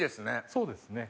そうですね。